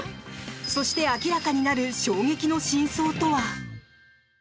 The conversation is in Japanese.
そして明らかになる衝撃の真相とは？